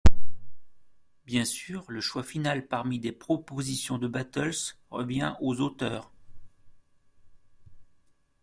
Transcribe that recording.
Bien sûr, le choix final parmi des propositions de battles revient aux auteurs.